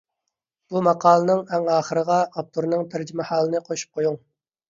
بۇ ماقالىنىڭ ئەڭ ئاخىرىغا ئاپتورنىڭ تەرجىمىھالىنى قوشۇپ قويۇڭ.